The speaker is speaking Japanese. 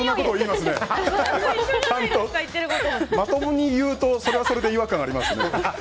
まともに言うとそれはそれで違和感ありますね。